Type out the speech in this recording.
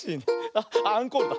あっアンコールだ。